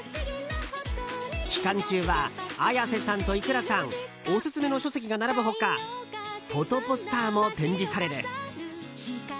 期間中は、Ａｙａｓｅさんとｉｋｕｒａさんオススメの書籍が並ぶ他フォトポスターも展示される。